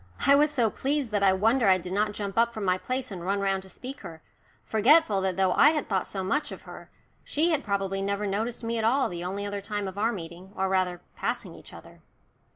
I was so pleased that I wonder I did not jump up from my place and run round to speak to her, forgetful that though I had thought so much of her, she had probably never noticed me at all the only other time of our meeting, or rather passing each other.